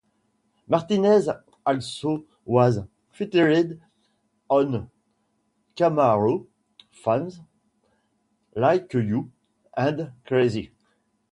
Martinez also was featured on Kmaro's "Femme Like You" and "Crazy".